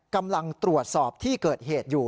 กำลังตรวจสอบที่เกิดเหตุอยู่